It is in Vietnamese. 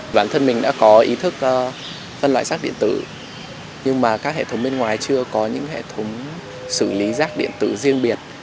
bản thân mình đã có ý thức phân loại rác điện tử nhưng mà các hệ thống bên ngoài chưa có những hệ thống xử lý rác điện tử riêng biệt